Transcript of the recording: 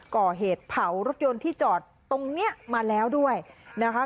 ก่อเหตุเผารถยนต์ที่จอดตรงเนี้ยมาแล้วด้วยนะคะ